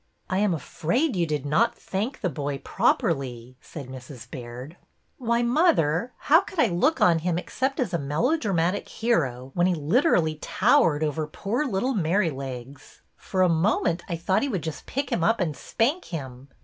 I am afraid you did not thank the boy prop erly," said Mrs. Baird. Why, mother, how could I look on him ex 36 BETTY BAIRD'S VENTURES cept as a melodramatic hero, when he literally towered over poor little Merrylegs? For a mo ment I thought he would just pick him up and spank him.